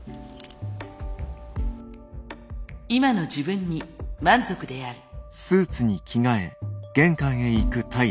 今の自分に満足である。